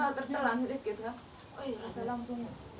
oh iya langsung beda beda rasanya dengan air tamu